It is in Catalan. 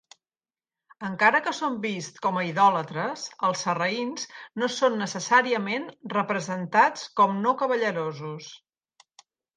Encara que són vists com a idòlatres, els sarraïns no són necessàriament representats com no cavallerosos.